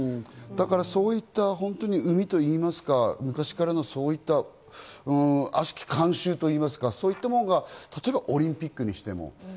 そういった膿といいますか、昔からの悪しき慣習と言いますか、そういったものがオリンピックにしても。